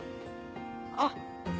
あっ！